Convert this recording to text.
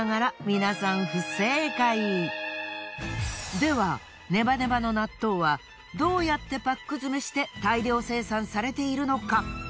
ではネバネバの納豆はどうやってパック詰めして大量生産されているのか？